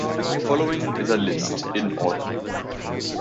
Following is a list, in order.